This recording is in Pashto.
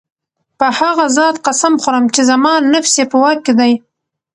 په هغه ذات قسم خورم چي زما نفس ئي په واك كي دی